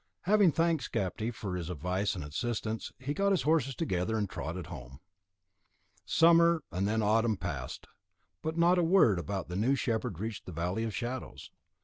Having thanked Skapti for his advice and assistance, he got his horses together and trotted home. Summer, and then autumn passed, but not a word about the new shepherd reached the Valley of Shadows.